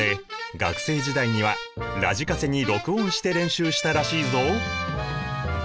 学生時代にはラジカセに録音して練習したらしいぞ。